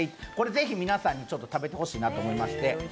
ぜひ皆さんに食べていただきたいなと思いまして。